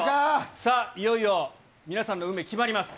さあ、いよいよ皆さんの運命決まります。